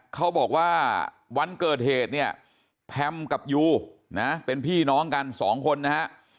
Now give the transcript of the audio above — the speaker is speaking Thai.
เขาบอกว่าวันเกิดเหตุเนี่ยแพมกับยูนะเป็นพี่น้องกันสองคนนะฮะ